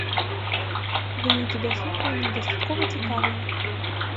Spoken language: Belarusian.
Вынікі даследавання дастаткова цікавыя.